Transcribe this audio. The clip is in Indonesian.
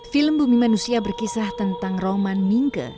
film bumi manusia berkisah tentang roman mingke